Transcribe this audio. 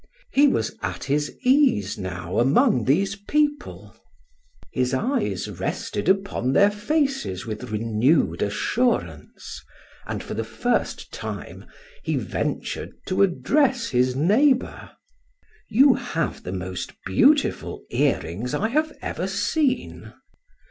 He was at his ease now among these people; his eyes rested upon their faces with renewed assurance, and for the first time he ventured to address his neighbor: "You have the most beautiful earrings I have ever seen."